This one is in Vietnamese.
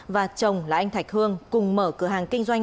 và chồng là anh thạch hương cùng mở cửa hàng kinh doanh